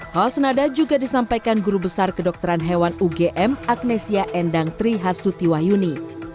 hal senada juga disampaikan guru besar kedokteran hewan ugm agnesia endang trihastuti wahyuni